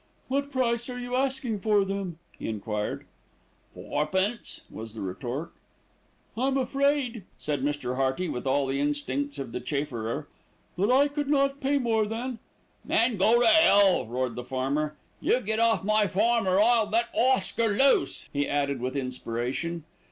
"What price are you asking for them?" he enquired. "Fourpence," was the retort. "I'm afraid," said Mr. Hearty with all the instincts of the chafferer, "that I could not pay more than " "Then go to hell!" roared the farmer. "You get off my farm or or I'll let Oscar loose," he added with inspiration.